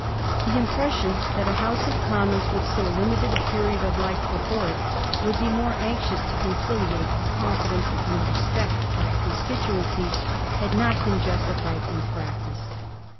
The impression that a House of Commons with so limited a period of life before it would be more anxious to conciliate the confidence and respect of the con stituencies had not been justified in practice.